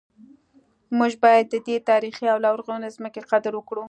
موږ باید د دې تاریخي او لرغونې ځمکې قدر وکړو